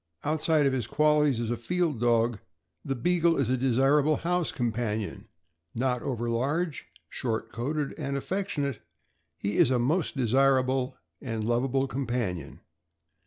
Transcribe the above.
Outside of his qualities as a field dog, the Beagle is a desirable house companion; not over large, short coated, and affectionate, he is a most desirable and lovable com panion.